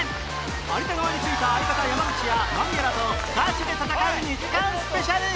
有田側についた相方山内や間宮らとガチで戦う２時間スペシャル！